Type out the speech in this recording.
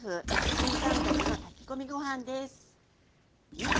新感覚の炊き込みご飯です。